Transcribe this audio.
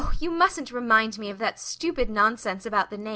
Oh you mustn't remind me of that stupid nonsense about the name.